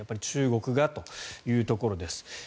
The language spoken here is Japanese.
やっぱり中国がというところです